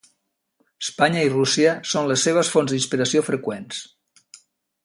Espanya i Rússia són les seves fonts d'inspiració freqüents.